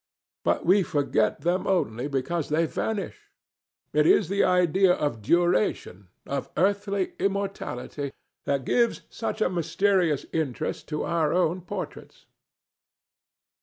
But we forget them only because they vanish. It is the idea of duration—of earthly immortality—that gives such a mysterious interest to our own portraits.